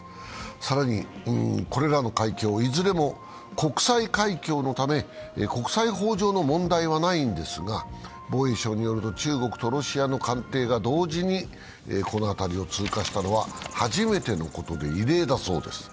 更に、これらの海峡は、いずれも国際海峡のため国際法上の問題はないんですが、防衛省によると、中国とロシアの艦艇が同時にこの辺りを通過したのは初めてのことで異例だそうです。